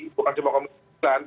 bukan cuma komisi sembilan